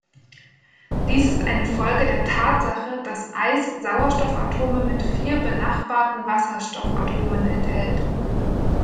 Dies ist eine Folge der Tatsache, dass Eis Sauerstoffatome mit vier benachbarten Wasserstoffatomen enthält.